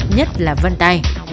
nhất là vân tay